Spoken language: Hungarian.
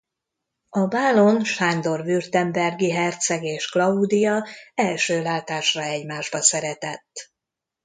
A bálon Sándor württembergi herceg és Klaudia első látásra egymásba szeretett.